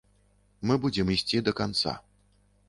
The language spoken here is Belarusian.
Мы будзем ісці да канца.